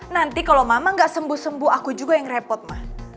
nanti kalau mama gak sembuh sembuh aku juga yang repot mah